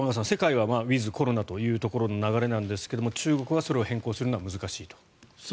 世界はウィズコロナという流れなんですが中国はそれを変更するのは難しいと。